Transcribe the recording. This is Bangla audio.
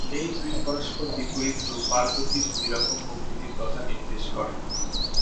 এই দুই পরস্পর বিপরীত রূপ পার্বতীর দুই রকম প্রকৃতির কথা নির্দেশ করে।